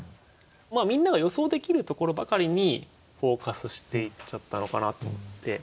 みんなが予想できるところばかりにフォーカスしていっちゃったのかなと思って。